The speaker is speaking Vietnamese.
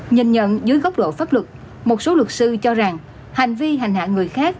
nhìn nhận dưới góc độ pháp luật một số luật sư cho rằng hành vi hành hạ người khác